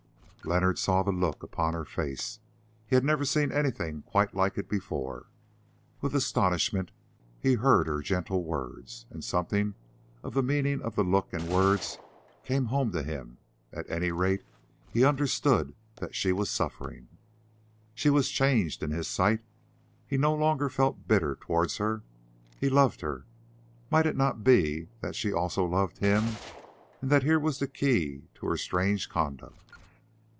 Leonard saw the look upon her face; he had never seen anything quite like it before. With astonishment he heard her gentle words, and something of the meaning of the look and words came home to him; at any rate he understood that she was suffering. She was changed in his sight, he no longer felt bitter towards her. He loved her; might it not be that she also loved him, and that here was the key to her strange conduct?